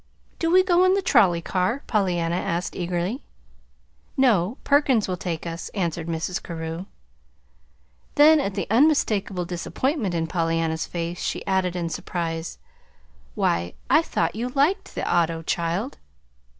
"Do we go in the trolley car?" Pollyanna asked eagerly. "No. Perkins will take us," answered Mrs. Carew. Then, at the unmistakable disappointment in Pollyanna's face, she added in surprise: "Why, I thought you liked the auto, child!"